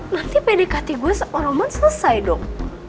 nanti pdkt gue sama roman selesai dong